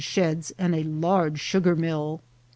101 sheds, and a large sugar mill.